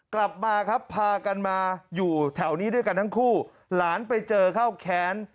กลับมาครับพากันมาอยู่แถวนี้ด้วยกันทั้งคู่หลานไปเจอเข้าแค้น